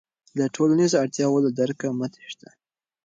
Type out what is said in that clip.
د ټولنیزو اړتیاوو له درکه مه تېښته.